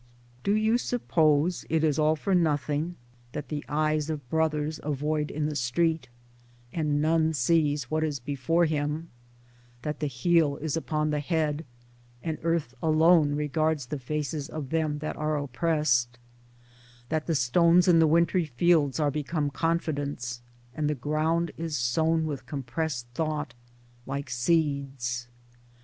Do you suppose it is all for nothing that the eyes of brothers avoid in the street, and none sees what is before him ; that the heel is upon the head, and Earth alone regards the faces of them that are oppressed — that the stones in the wintry fields are become confidants, and the ground is sown with compressed thought, like seeds?